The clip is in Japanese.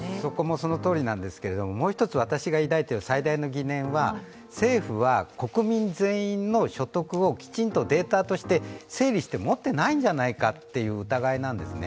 そのとおりなんですけどもう一つ、私が抱いている最大の疑念は、政府は国民全員の所得をきちんとデータとして整理して持っていないんじゃないかという疑いなんですね。